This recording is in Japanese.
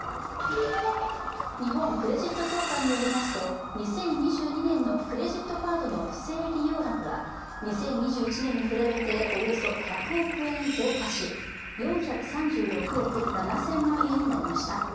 日本クレジット協会によりますと２０２２年のクレジットカードの不正利用額は２０２１年に比べて、およそ１００億円増加し、４３６億７０００万円になりました。